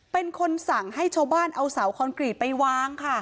เป็นคนสั่งให้ชาวบ้านเอาเสาคอนกรีตไปวางค่ะ